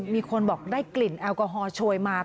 ป่าเห็นไหมแล้วนั้นเห็นโมไซส์ไหม